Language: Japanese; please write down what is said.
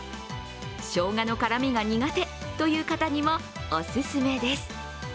しょうがの辛みが苦手という方にもお勧めです。